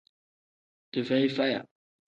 Dii feyi faya.